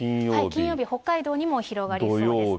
金曜日、北海道にも広がりそうです。